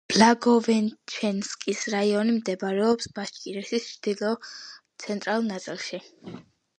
ბლაგოვეშჩენსკის რაიონი მდებარეობს ბაშკირეთის ჩრდილო-ცენტრალურ ნაწილში.